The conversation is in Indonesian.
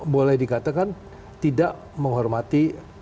boleh dikatakan tidak menghormati